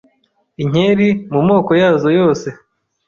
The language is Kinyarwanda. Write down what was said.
Inkeri mu moko yazo yose